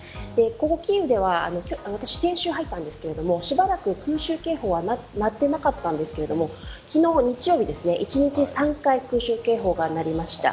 このキーウでは私、先週入ったんですがしばらく空襲警報は鳴っていなかったんですが昨日の日曜に一日３回空襲警報が鳴りました。